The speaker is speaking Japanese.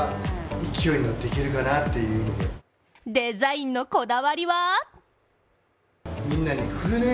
デザインのこだわりは？